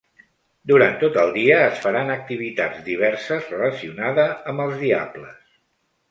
Durant tot el dia es faran activitats diverses relacionada amb els diables.